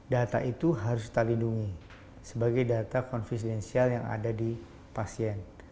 data itu harus terlindungi sebagai data konfidensial yang ada di pasien